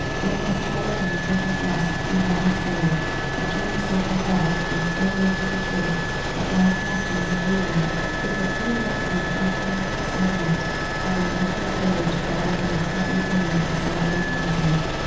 In his troubled and imperfect rest he had his dream, a dream so prophetic, and so near to the truth, that one questions, in reading it, if it be not the reflecting presentiment of a wakeful sage rather than the fevered dream of a slumbering artisan.